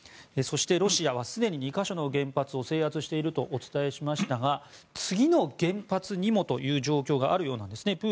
そして、ロシアはすでに２か所の原発を制圧しているとお伝えしましたが次の原発にも、という状況があるようなんですね。